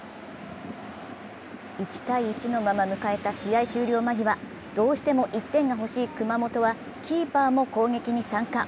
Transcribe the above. １−１のまま迎えた試合終了間際どうしても１点が欲しい熊本はキーパーも攻撃に参加。